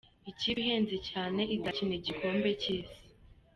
Ikipe ihenze cyane izakina igikombe cy’Isi.